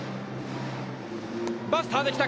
バスターで来た。